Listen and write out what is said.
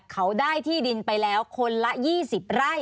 เขาได้ที่ดินไปแล้วคนละ๒๐ไร่